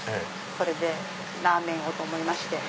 それでラーメンを！と思いまして。